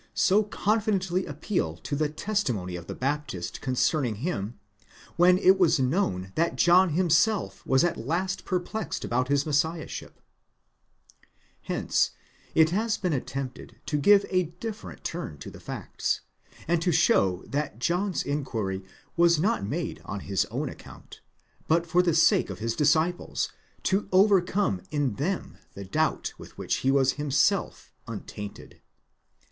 so confidently appeal to the testimony of the Baptist concern ing him, when it was known that John himself was at last perplexed about his Messiahship 3 Hence it has been attempted to give a different turn to the facts, and to show that John's inquiry was not made on his own account, but for the sake of his disciples, to overcome in them the doubt with which he was himself untainted.